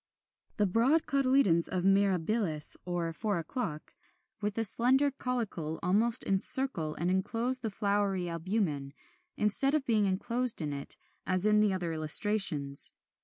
35. The broad cotyledons of Mirabilis, or Four o'clock (Fig. 52, 53), with the slender caulicle almost encircle and enclose the floury albumen, instead of being enclosed in it, as in the other illustrations.